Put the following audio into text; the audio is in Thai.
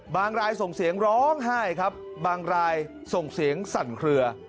รายส่งเสียงร้องไห้ครับบางรายส่งเสียงสั่นเคลือ